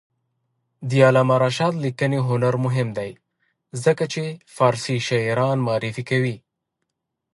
د علامه رشاد لیکنی هنر مهم دی ځکه چې فارسي شاعران معرفي کوي.